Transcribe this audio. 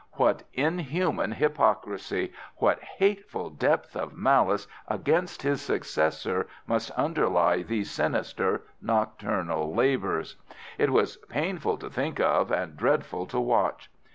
What inhuman hypocrisy, what hateful depth of malice against his successor must underlie these sinister nocturnal labours. It was painful to think of and dreadful to watch.